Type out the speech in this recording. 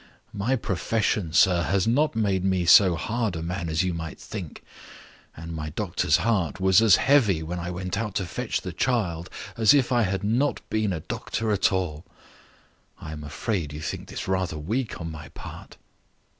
My profession, sir, has not made me so hard a man as you might think; and my doctor's heart was as heavy, when I went out to fetch the child, as if I had not been a doctor at all. I am afraid you think this rather weak on my part?"